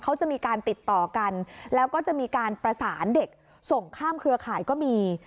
เขาจะมีการติดต่อกันแล้วก็จะมีการประสานเด็กส่งข้ามเครือข่ายก็มี